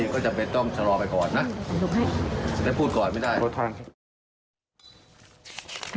ก็จำเป็นต้องชะลอไปก่อนนะแล้วพูดก่อนไม่ได้